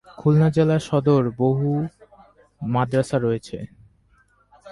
খুলনা জেলার সদর বহু মাদ্রাসা রয়েছে।